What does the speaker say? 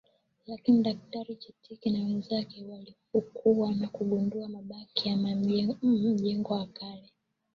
lakini Daktari Chittick na wenzake walifukua na kugundua mabaki ya majengo ya kale